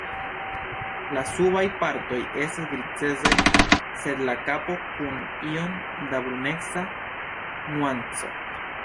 La subaj partoj estas grizecaj, sed la kapo kun iom da bruneca nuanco.